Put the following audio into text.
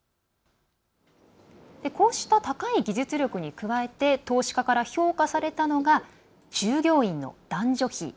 こうした高い技術力に加えて投資家から評価されたのが従業員の男女比。